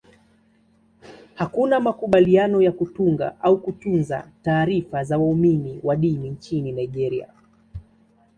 Hakuna makubaliano ya kutunga au kutunza taarifa za waumini wa dini nchini Nigeria.